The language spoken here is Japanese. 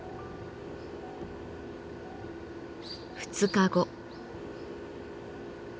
２日後。